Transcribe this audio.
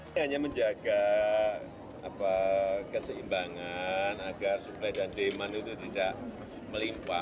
ini hanya menjaga keseimbangan agar suplai dan demand itu tidak melimpa